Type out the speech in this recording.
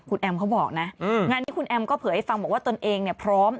คุณแอมเขาบอกนะงานนี้คุณแอมก็เผยให้ฟังบอกว่าตนเองเนี่ยพร้อม